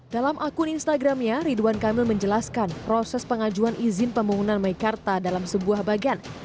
dalam akun instagramnya ridwan kamil menjelaskan proses pengajuan izin pembangunan meikarta dalam sebuah bagian